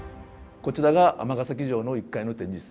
こちらが尼崎城の１階の展示室